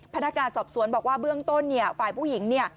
พนักการสอบสวนบอกว่าเบื้องต้นฝ่ายผู้หญิง